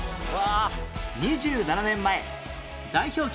２７年前代表曲